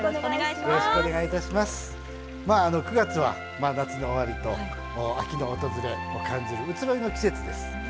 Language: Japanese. まあ９月は夏の終わりと秋の訪れを感じる移ろいの季節です。